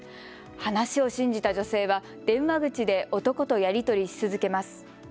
話を信じた女性は電話口で男とやり取りし続けます。